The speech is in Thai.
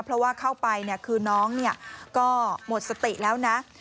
เพราะว่าเข้าไปคือน้องก็หมดสติแล้วนะ